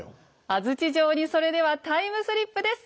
安土城にそれではタイムスリップです。